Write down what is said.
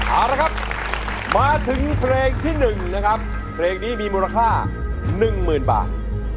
เอาละครับมาถึงเทรงที่หนึ่งนะครับเทรงนี้มีมูลค่าหนึ่งหมื่นบาท